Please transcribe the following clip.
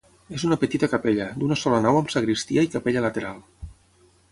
És una petita capella, d'una sola nau amb sagristia i capella lateral.